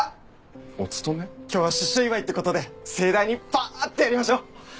今日は出所祝いってことで盛大にパっとやりましょう！